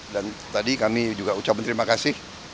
dan tadi kami juga ucapkan terima kasih